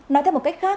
nói theo một cách khác